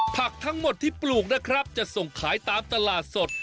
ผักทั้งหมดที่ปลูกนะครับจะส่งขายตามตลาดสด